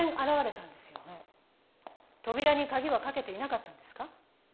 扉にカギは掛けていなかったんですか？